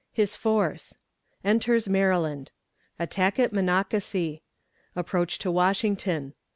His Force. Enters Maryland. Attack at Monocacy. Approach to Washington.